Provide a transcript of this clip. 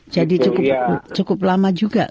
jadi cukup lama juga